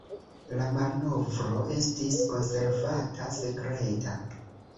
La malkovro estis konservata sekreta.